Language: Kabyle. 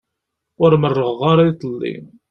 Ur merrɣeɣ ara iḍelli.